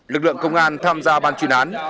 lực lượng công an tham gia ban chuyên án